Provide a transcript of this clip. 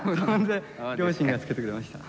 両親がつけてくれました。